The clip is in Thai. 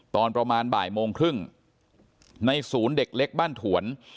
ตอนประมาณบ่ายโมงครึ่งในศูนย์เด็กเล็กบ้านถวน